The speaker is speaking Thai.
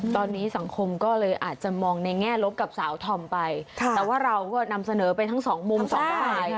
ตอนนี้สังคมก็เลยอาจจะมองในแง่ลบกับสาวธอมไปแต่ว่าเราก็นำเสนอไปทั้งสองมุมสองฝ่าย